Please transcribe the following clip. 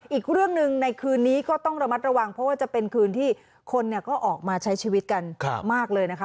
อีกเรื่องหนึ่งในคืนนี้ก็ต้องระมัดระวังเพราะว่าจะเป็นคืนที่คนก็ออกมาใช้ชีวิตกันมากเลยนะคะ